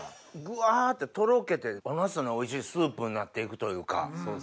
ぐわってとろけておナスのおいしいスープになって行くというか。